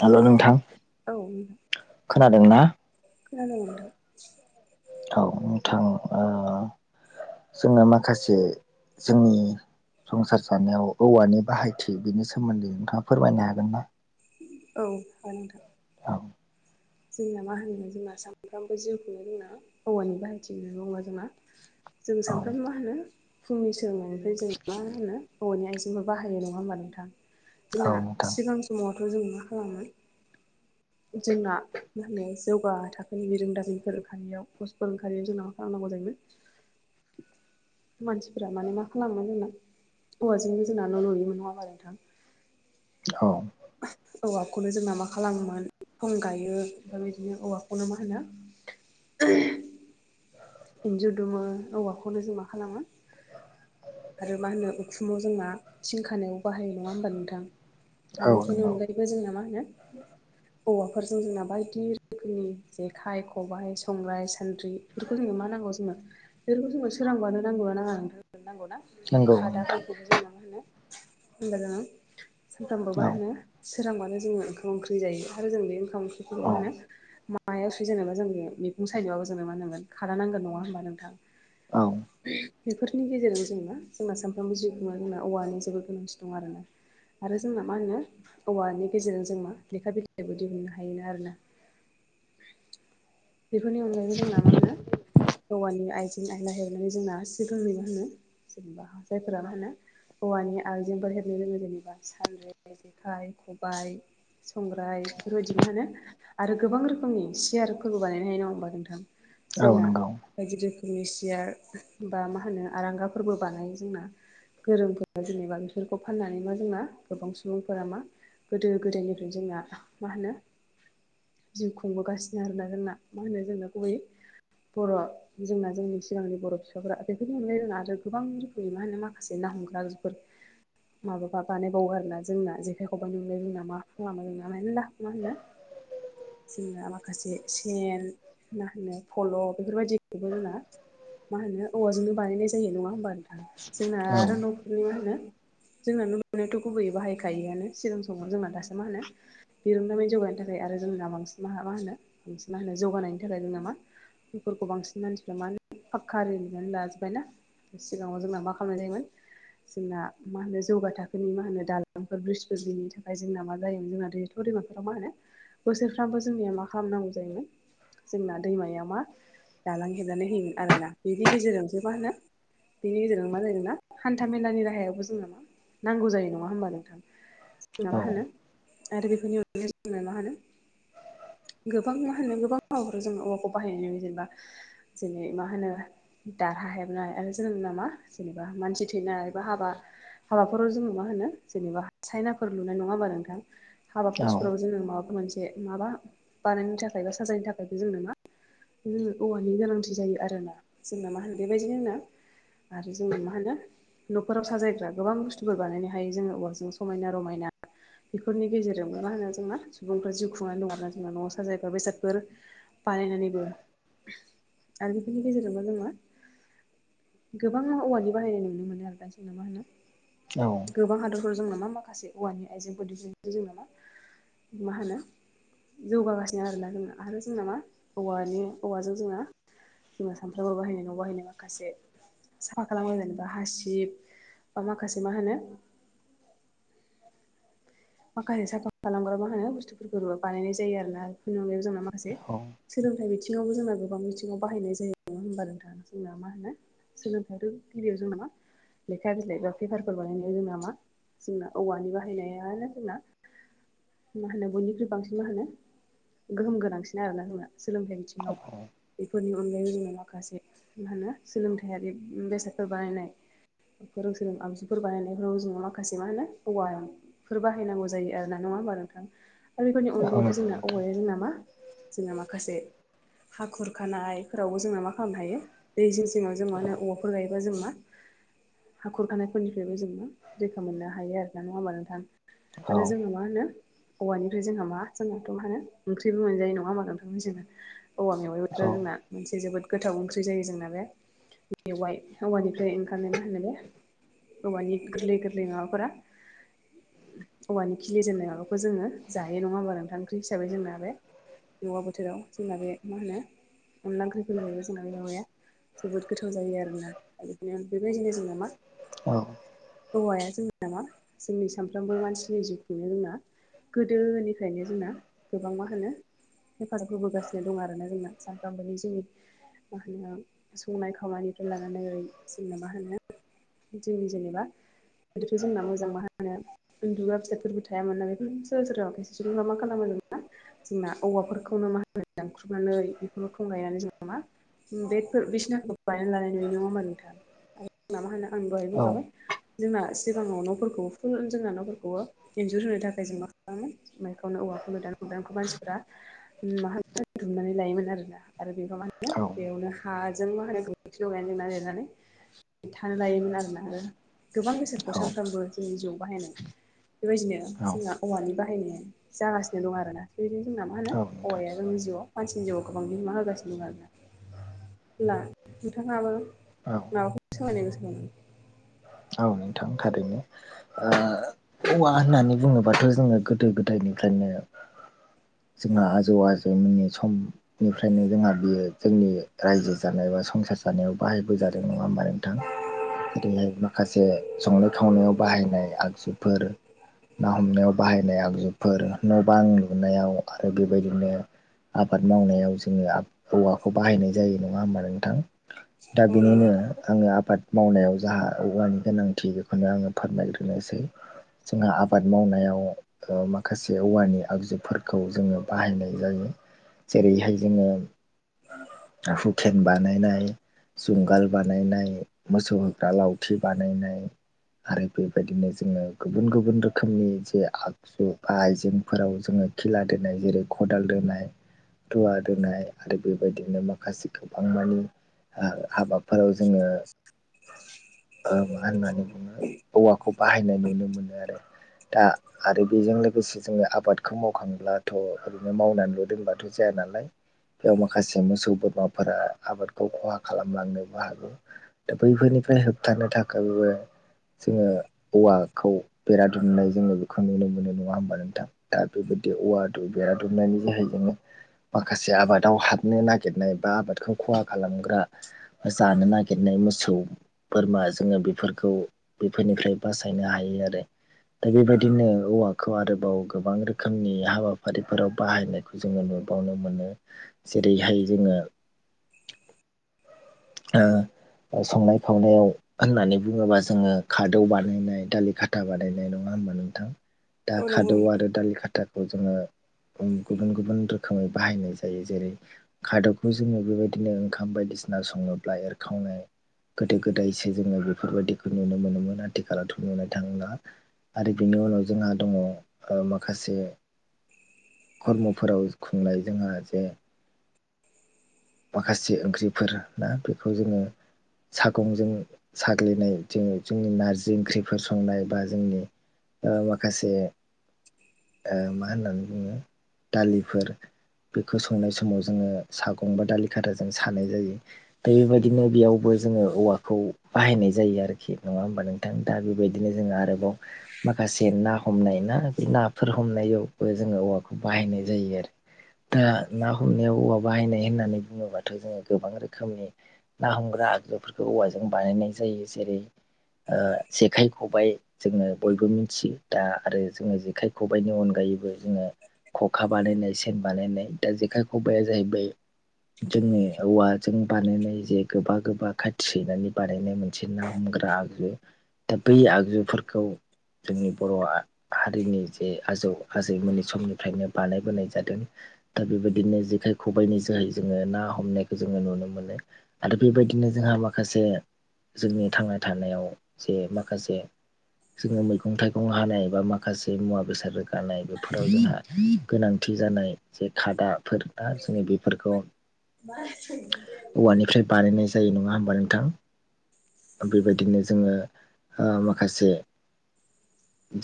Hello नोंथां औ नोंथां खोनादों ना? खोनादों नोंथां। औ नोंथां ओ जोंना माखासे जोंनि संसार जानायाव औवानि बाहायथि बेनि सोमोन्दै नोंथाङा फोरमायनो हागोन ना? औ [unintelligible] नोंथां। औ। जोंना मा होनो जोंना सामफ्रामबो जिउखौनो जोंना औवानि बाहायथि होननानै दङ' जोंना जों ना औ सामफ्रामबो मा होनो फुंनि सोलोंनायनिफ्राय जों मा होनो [unintelligible] जेनबा बाहायो नङा होमबा नोंथां? औ जोंना नोंथां सिगां स समावथ' जों मा खालामो जोंना मा होनो जौगा थाखोनि बिरोंदामि [unintelligible] पस्टफोर ओंखारनाय जोंना मा खालामनांगौ जायोमोन। मानसिफोरा माने मा खालामो जोंना औवाजोंबो जोंना न' लु'योमोन नङामा नोंथां औ। औ आपखौनो जोंना मा खालामोमोन फं गायो [unintelligible] बेदिनो औवाखौनो मा होनो [unintelligible] इन्जुर दुमो औवाखौनो जों मा खालामो। आरो मा होनो उखुमाव जोंना थिंखानायाव बाहायो नङा होमबा नोंथां? औ आरो बेफोरनि नंगौ अनगायैबो जोंना मा होनो औवाफोरजों जोंना बायदि रोखोमनि जेखाइ खबाइ संग्राय सान्द्रि [unintelligible] नंगौ नोंथां [unintelligible] [unintelligible] सानफ्रामबो मा औ होनो सोरांबानो जोङो ओंखाम ओंख्रि जायो आरो जों बे ओंखाम ओंख्रिखौ औ मा होनो मा मायाव सुयो जेनेबा जों बे मैगं सायनोबाबो जोंनो मा नांगोन खादा नांगोन नङा होमबा नोंथां? औ [unintelligible] बेफोरनि गेजेरजों जों मा जोंना सामफ्रोमबो [unintelligible] जोंना औवानि जोबोद गोनांथि दं आरोना। आरो जोंना मा होनो औवानि गेजेरजों जों मा लेखा बिलाइबो दिहुननो हायोना आरोना? [unintelligible] बेफोरनि अनगायैबो जोंना मा होनो औवानि आइजें आयला हेबनानै जोंना [unintelligible] होनो। जेनेबा जायफोरा मा होनो औवानि आइजें बा हेबनो रोङि जेनेबा सान्र्दि जेखाइ खबाइ संग्राय बेफोरबायदि मा होनो आरो गोबां रोखोमनि सियार फोरबो बानायनो हायो नङा होमबा नोंथां? औ जोंना नंगौ बायदि रोखोमनि सियार बा मा होनो आरांगाफोरबो बानायो जोंना। गोरोम जेनेबा बिफोरखौ फाननानै मा जोंना गोबां सुबुंफोरा मा गोदो गोदायनिफ्रायनो जोंना मा होनोश जिउ खुंबोगासिनो आरोना जोंना मा होनो जोंना गुबै बर' जोंना जोंनि सिगांनि बर' फिसाफोरा बेफोरनो मोननाय रोङा आरो गोबां रोखोमनि मा होनो माखासे ना हमग्राफोर माबाबा बानायबावो आरोना जोंना जेखाइ खबायनि आनगायैबो जोंना मा खालामबाय जोंना मेरला मा होनो औ जोंना माखासे सेन मा होनो फल' बेफोरबायदिखौबो जोंना मा होनो औवाजोंनो बानायनाय जायो नङा होमबा नोंथां जोंना औ आरो न'फोरनि मा होनो जोंना नुबनोथ' गुबैयै बाहायखायोआनो सिगां समङाव जोंना दासो मा होनो [unintelligible] जौगानायनि थाखाय आरो जोंना बांसिन मा मा होनो बांसिन मा होनो जौगानायनि थाखाय जों मा बेफोरखौ बांसिन मानसिफ्रा मा होन फाखक्का आरिनानै लाजोबबायना सिगाङाव जोंना मा खालामनाय जायोमोन जोंना मा होनो जौगा थाखोनि मा होनो दालांफोर ब्रिजफोर बेनि थाखाय जोंना मा जायोम जोंना बुरिमाफोराव मा होनो बोसोरफ्रामबो जोंनिया मा खालामनांगौ जायोमोन जोंना दैमाया मा दालां हेबनानै होयोमोन आरोना बेनि गेजेरजोंसो मा होनो बेनि गेजेरजों मा जायो जोंना हान्था मेलानि राहायावबो जोंहा मा नांगौ जायो नङा होमबा नोंथां औ नंगौ नोंथां औ जोंना मा होनो आरो बेफोरनि अननो जो मा होनो गोबां मा होनो गोबां औया होरो जों औया खौ बाहायनानै जेनेबा जेनै मा होनो दारहा हेबनाय आरो जों नामा जेनेबा मानसि थैनाय बा हाबा हाबाफोराव जोङो मा होनो जेनेबा सायनाफोर लुनाय नङा होनोमबा नोंथां हाबा फस्फोराव जोङो माबाफोर मोनसे माबा बानायनो थाखाय बा साजायनो थाखायबो जोंनो मा औवानि गोनांथि जायो आरोना जोंना मा होनो बेबायदि होनो आरो जों मा होनो न'खराव साजायग्रा गोबां बुस्थुफोर बानायनो हायो जोङो औवालजों समायना रमायना बेफोरनि गेजेरजोंबो मा होनो जोंना सुबुंफ्रा जिउ खुंनाय दं आरोना जोंना न'आव साजायोबा बेसादफोर बानायनानैबो आरो बेफोरनि गेजेरजोंबो जोङो मा गोबां औवानि बाहायनाय नुनो मोनो आरो दा जोंना मा होनो औ गोबां हादरफोराव जों नामा माखासे औवानि आइजेंफोर दिहुनो जों नामा मा होनो जौगागासिनो आरोना जोंना आरो जोंना मा औवानि औवाजों जोंना जोङो सामफ्रामबो बाहायनाय न' बाहायनाय माखासे साफा खालामो जेनेबा हासिब बा माखासे मा होनो माखासे साखफा खालामग्रा मा होनो बुस्थुफोरखौ बानायनाय जायो आरो ना [unintelligible] जोंना माखासे सोलोंथाइ बिथिङावबो जोंना गोबां बिथिङाव बाहायनाय जायोङ होनोमबा नोंथाङा जोंना मा होनो सोलोंथाइथ' गिबियाव जोंना मा लेखा बिलाइ बा पेपारफोर बानायनाया जोंना मा जोंना औवानि बाहायनायानो जोंना मा होनो बयनिख्रुइ बांसिन मा होनो गोहोम गोनांसिन आरोना जोंना सोलोंथाइ बिथिङाव बेफोरनि अनगायैबो जोङो माखासे मा होनो सोलोंथायाइारि बेसादफोर बानायनाय फोरों सोरों आबजुफोर बानायनायफ्राव जोंङो माखासे मा होनो औवा फोर बाहायनांगौ जायो आरो ना नङा होमबा नोंथां आरो बेफोरनि औ अनगायैबो जोंना औवाया जोंनामा जोंना माखासे हाखुर खानायफोरावबो जोंनो मा खालामनो हायो दै जिं जिङाव जों मा होनो औवाफोर गायो जों मा हा खुरखानायफोरनिफ्रायबो जों मा रैखा मोननो हायो आरोना नङा होमबा नोंथां आरो जोङो मा होनो औवानिफ्राय जोंहा मा जोंनाथ' मा होनो ओंख्रिबो मोनजायो नङा हमबा नोंथां जोङो औवा मेवाइ बोथोरो जोंना मोन जोबोद गोथाव ओंख्रि जायो जोंना मेवाय औवानिफ्राय ओंखारनाय मा होनो बे हौवानि गोरलै गोरलै माबाफोरा औवानि खिलिजेननाय माबाखौ जोङो जायो नङा होमबा नोंथां ओंख्रि हिसाबै जोंना बे मेवा बोथोराव जोंना बे मा होनो अनला ओंख्रिफोर जाहैबाय जोंना बे माबाया जोबोद गोथाव जायो आरोना बिदिनो बेबायदिनो जोंना मा औ औवाया जोंनि नामा जोंनि सानफ्रोमबो मानसिनि जिउखौनो जोंना गोदोनिफ्रायनो जोंना गोबां मा होनो हेफाजाब होबोगासिनो दं आरो ना जोंना सानफ्रामबोनि जोंनि मा होनो संनाय खावानिफ्रालानानै जोनो मा होनो जोंनि जेनेबा गोदोथ' जोंना मोजां माहा हो माने उन्दुग्रा फिसादफोरबो थाया मोनोना बेफोर सोरबा सोरबा खायसे सुबुंफोरा मा खालामो जोंना औवाफोरखौनो मा होनो दांनख्रुबनानै बेखौनो थं गायनानै जोंना मा बेफोर बिसिनाखौ बानायनानै लानाय नुयो नंङा होनोमा नोंथां जोंना मा होनो आं दहाय बुंखाबाय जोंना सिगाङाव न'फोरखौ फुल जोंना न'फोरखौबो इन्जुर होनो थाखाय जों मा माइखौनो औवाखौनो दान दानखौ मानसिफ्रा माहा दुमनानै लायोमोन आरोना आरो बेखौ मा होनो बेयावनो हाजों मा होनो गोबोरखि लगायनो जोंना लिरनानै थानो लायोमोन आरोना आरो गोबां बेसादखौ सानफ्रोमबो जोंनि जिउ बाहायनाय बेबायदिनो जोंहा औवानि बाहायनाय जागासिनो दं आरोना बेदिनो जोंना मा होनो नोंथां हौवाया जोंनि जिउआव मानसिनि जिउआव गोबां बिहोमा होगासिनो दं आरोना [inaudible] होनब्ला नोंथांङाबो औ माबाखौ सोलायनो गोसो औ नोंथां खारैनो ओ औवा होननानै बुंङोबाथ' जोङो गोदो गोदायनिफ्रायनो जोंहा आजौ आजौमोननि सम बेनिफ्रायनो जोंहा बियो जोंनि रायजो जानाय बा संसार जानायाव बाहायबो जादों नंङा होमबा नोंथां जेरैहाय माखासे संनाय खावनायाव बाहायनाय आगजुफोर ना हमनायाव बाहायनाय आगजुफोर न' बां लुनायाव आरो बेबायदिनो आबाद मावनायाव जोंङो हौवाखौ बाहायनाय जायो नंङा होमबा नोंथां दा बिनिनो आंङो आबाद मावनायाव जाहा औवानि गोनांथि बेखौनो आंङो फोरमायग्रोनोसै जोंहा आबाद मावनायाव माखासे औवानि आगजुफोरखौ जोंङो बाहायनाय जायो। जेरैहाय जोंङो खेन बानायनाय जुंगाल बानायनाय मोसौ होग्रा लाव थि बानायनाय आरो बेबायदिनो जोंङो गुबुन गुबुन रोखोमनि जे आग आइजेंफोराव जोंङो खेला दोनाय जेरै खदाल दोनाय दुवा दोनाय आरो बेबायदिनो माखासे गोबां मानि ओ हाबाफोराव जोंङो मा होननानै बुङो औवाखौ बाहायनाय नुनो मोनो आरो दा आरो बेजों लोगोसे जोंङो आबादखौ मावखांब्लाथ' ओरैनो मावनानैल' दोनबाथ' जाया नालाय बेयाव माखासे मोसौ बोरमाफोरा आबादखौ खहा खालामलांनोबो हागौ दा बैफोरनिफ्राय होबथानो थाखायबो जोंङो। औवाखौ बेरा दुमनाय जोंङो बेखौ नुनो मोनो नङा होमबा नोंथां दा बेबायदि औवा दु बेरा दुमनानै जाहाय जोंङो माखासे आबादाव हाबनो नागिरनाय बा आबादखौ खहा खालामग्रा जानो नागिरनाय मोसौ बोरमा जोंङो बेफोरखौ बेफोरनिफ्राय बासायनो हायो आरो दा बेबायदिनो औवाखौ आरोबाव गोबां रोखोमनि हाबाफारिफोराव बाहायनो जोंङो नुबावनो मोनो जेरैहाय जोंङो ओ संनाय खावनायाव होननानै बुङोबा जोंङो खादौ बानायनाय दालि खाथा बानायनाय नंङा होमबा नोंथां दा औ नंगौ खादौ नोंथां आरो दालि खाथाखौ जोंङो गुबुन गुबुन रोखोमै बाहायनाय जायो जेरै- खादौखौ जोंङो बेबायदिनो ओंखाम बायदिसिना संङोब्ला एरखावनाय गोदो गोदायसो जोङो बेफोरबायदिखौ नुनो मोनोमोन आथिखालावथ' नुनो थांला। आरो बेनि उनाव जोंहा दङ ओ माखासे खर्मफोराव खुंनाय जोंहा जे माखासे ओंख्रिफोर ना बेखौ जोङो सागंजों साग्लिनाय थिं जोंनि नारजि ओंख्रिफोर संनाय बा जोंनि ओ माखासे ओ मा होननानै बुङो दालिफोर बेखौ संनाय समाव जोङो सागं बा दालि खाथाजों सानाय जायो। दा बेबायदिनो बेयावबो जोङो औवाखौ बाहायनाय जायो आरोखि नङा ओमबा नों थां दा बेबायदिनो जों आरोबाव माखासे ना हमनाय ना बे ना फोर हमनायावबो जोङो औवाखौ बाहायनाय जायो आरो दा ना हमनायाव औवा बाहायनाय होननानै बुङोबाथ' जों गोबां रोखोमनि ना हमग्रा आगजुफोरखौ औवाजों जों बानायनाय जायो जेरै ओ जेखाइ खबायाइ जोङो बयबो मिथियो दा आरो जोङो जेखाइ खबाइनि अनगायैबो जोङो खखा बानायनाय सेन बानायनाय दा जेखाइ खबाइाया जाहैबाय जोंनि औवाजों बानायनाय जे गोबा गोबा खाथि सैनानै बानायनाय मोनसे ना हमग्रा आग दा बै आगजुफोरखौ जोंनि बर'आ हारिनि जे आजौ आजैमोननि समनिफ्रायनो बानायबोनाय जादों। दा बेबायदिनो जेखाय खबाइनिज जोहै जोङो ना हमनायखौ जोङो नुनो मोनो आरो बेबायदिनो जोंहा माखासे जोंनि थांना थानायाव जे माखासे जोङो मैगं थाइगं हानाय बा माखासे मुवा बेसाद दानाय बेफोराव जोंहा गोनांथि जानाय जे खादाफोर ना जोंनि बे मा संनायदों? औवानिफ्राय बानायनाय जायो नङा होमबा नोंथां? ओ बेबायदिनो जोङो ओ माखासे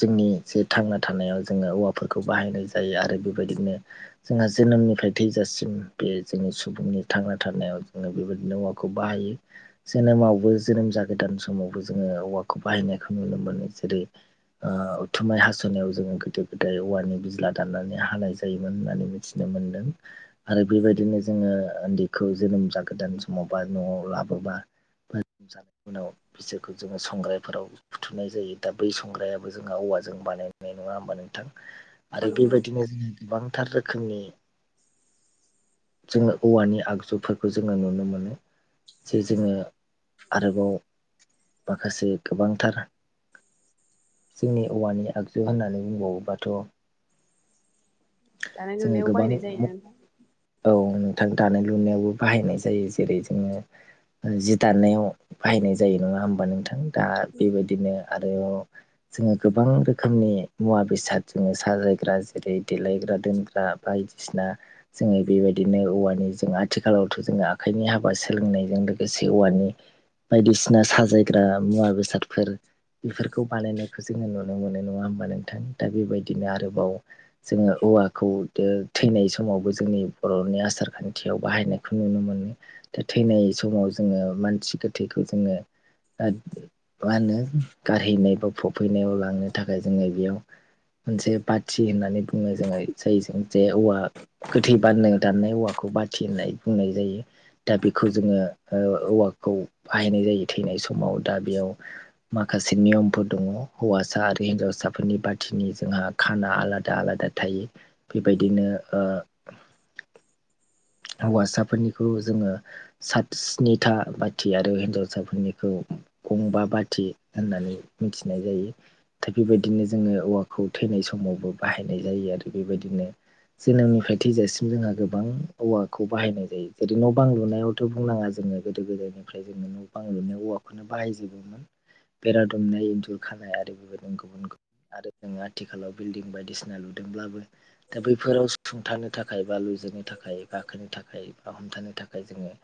जोंनि जे थांना थानायाव जोङो औवाफोरखौ बाहायनाय जायो आरो बेबायदिनो जोंहा जोनोमनिफ्राय थैजासिम बे जोंनि सुबुंनि थांना थानायाव जोङो बेबायदिनो औवाखौ बाहायो। जोनोमावबो जोनोम जागोदान समावबो जोङो औवाखौ बाहायनायखौ नुनो मोनो जेरै ओ उथुमाय हास'नायाव जोङो गोदो गोदाय औवानि बिज्ला दाननानै हानाय जायोमोन होननानै मिथ थिनो मोनदों। आरो बेबायदिनो जोङो ओन्दैखौ जोनोम जागोदान समाव बा न'आव लाबोबा [unintelligible] उनाव बिसोरखौ जोङो संग्रायफोराव बुथुनाय जायो दा बै संग्रायाबो जोंहा औवाजों बानायनाय नङा होमबा नोंथां? औ नंगौ औ आरो नंगौ बेबायदिनो जोङो गोबांथार रोखोमनि जोङो औवानि आगजुफोरखौ जोङो नुनो मोनो। जे जोङो आरोबाव माखासे गोबांथार जोंनि औवानि आगजु होननानै बुंबावोबाथ' दानाय जोङो लुनायाव गोबां बाहायनाय मु जायोना नोंथां औ नोंथां दानाय लुनायावबो बाहायनाय जायो जेरै जोङो ओ जि दाननायाव बाहायनाय जायो नङा होमबा नोंथां दा बेबायदिनो आरो जोङो गोबां रोखोमनि मुवा बेसाद जोङो सा होग्रा जेरै देलायग्रा दोनग्रा बायदिसिना जोङो बेबायदिनो औवानि जों आथिखालावथ' जोङो आखाइनि हाबा सोलोंनायजों लोगोसे औवानि बायदिसिना साजायग्रा मुवा बेसादफोर बेफोरखौ बानायनायखौ जोङो नुनो मोनो नङा होमबा नोंथां दा बेबायदिनो आरोबाव जोङो औवाखौ दो थैनाय समावबो जोंनि बर'नि आसार खान्थियाव बाहायनायखौ नुनो मोनो। दा थैनाय समाव जोङो मानसि गोथैखौ जोङो दाद मा होनो गारहैनाय बा फबहैनायाव लांनो थाखाय जोङो बेयाव मोनसे बाथि होननानै बु मोजाङै जायो जोङो जे औवा गोथै बाननो दाननाय औवाखौ बाथि होननाय बुंनाय जायो। दा बेखौ जोङो ओ औवाखौ बाहायनाय जायो थैनाय समाव दा बेयाव माखासे नियमफोर दङ हौवासा आरो हिनजावसाफोरनि बाथिनि जोंहा खाना आलादा आलादा थायो बेबायदिनो ओ हौवासाफोरनिखौ जोङो सात स्निथा बाथि आरो हिनजावसाफोरनिखौ गंबा बाथि होननानै मिथिनाय जायो। दा बेबायदिनो जोङो औवाखौ थैनाय समावबो बाहायनाय जायो आरो बेबायदिनो जोनोमनिफ्राय थैजासिम जोंहा गोबां औवाखौ बाहायनाय जायो जेरै न' बां लुनायावथ' बुंनाङा जोङो गोदो गोदायनि ओमफ्राय जोङो न' बां लुनायाव औवाखौनो बाहायजोबोमोन बेरा दुमनाय, इन्जुर खानाय आरो बेबायदिनो गुबुन गुबुन आरो नों आथिखालाव बिल्डिं बायदिसिना लुदोंब्लाबो दा बैफोराव सुंथानो थाखाय बा लुजेननो थाखाय गाखोनो थाखाय बा हमथानो थाखाय जोङो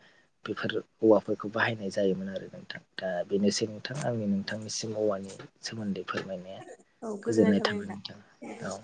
बेफोर औवाफोरखौ बाहायनाय जायोमोन आरो नोंथां दा बेनोसै नोंथां आंनि नोंथांनिसिम औवानि सोमोन्दै फोरमायनाया गोजोननाय थाबाय नोंथां औ।